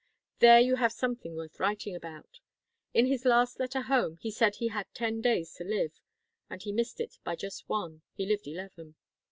There you have something worth writing about! In his last letter home, he said he had ten days to live and he missed it by just one; he lived eleven.